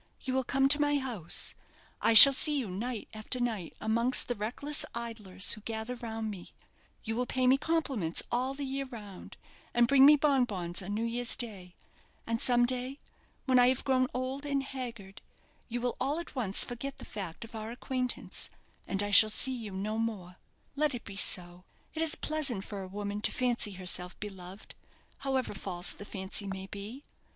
You will come to my house; I shall see you night after night amongst the reckless idlers who gather round me; you will pay me compliments all the year round, and bring me bon bons on New Year's Day; and some day, when I have grown old and haggard, you will all at once forget the fact of our acquaintance, and I shall see you no more. Let it be so. It is pleasant for a woman to fancy herself beloved, however false the fancy may be.